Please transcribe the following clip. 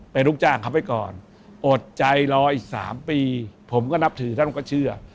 เป็นลูกจ้างเขาไปก่อนอดใจรออีก๓ปีผมก็นับถือท่านก็เชื่อ